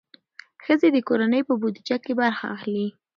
ښځې د کورنۍ په بودیجه کې برخه اخلي.